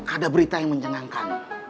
ada berita yang menjengangkan